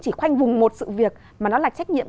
chỉ khoanh vùng một sự việc mà nó là trách nhiệm